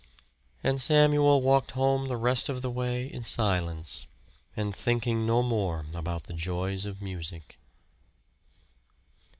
And Samuel walked home the rest of the way in silence, and thinking no more about the joys of music.